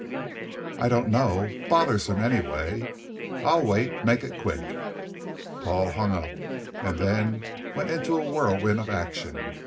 "I don't know. Bothersome, anyway." "I'll wait. Make it quick." Paul hung up, and then went into a whirlwind of action.